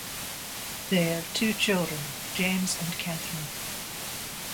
They have two children, James and Catherine.